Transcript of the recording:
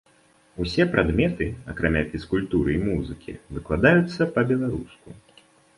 Усе прадметы, акрамя фізкультуры і музыкі, выкладаюцца па-беларуску.